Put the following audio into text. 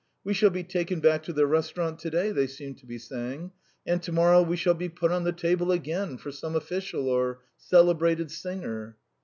"We shall be taken back to the restaurant to day," they seemed to be saying, "and to morrow we shall be put on the table again for some official or celebrated singer."